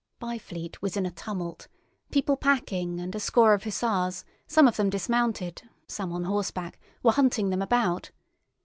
Byfleet was in a tumult; people packing, and a score of hussars, some of them dismounted, some on horseback, were hunting them about.